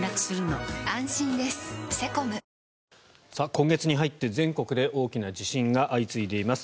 今月に入って全国で大きな地震が相次いでいます。